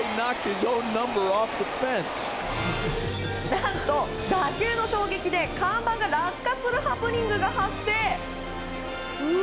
何と、打球の衝撃で看板が落下するハプニングが発生。